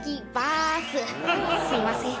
すいません。